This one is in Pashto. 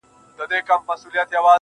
• د خدای لپاره په ژړه نه کيږي ..